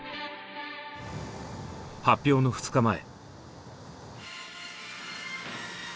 発表の２日前。